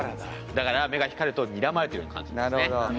だから目が光るとにらまれているように感じるんですね。